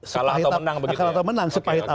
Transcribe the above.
salah atau menang begitu ya